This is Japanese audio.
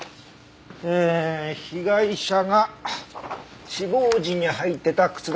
えー被害者が死亡時に履いてた靴だった。